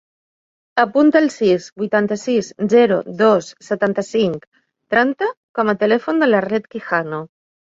Apunta el sis, vuitanta-sis, zero, dos, setanta-cinc, trenta com a telèfon de l'Arlet Quijano.